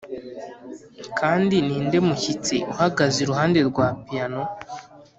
kandi ninde mushyitsi uhagaze iruhande rwa piyano?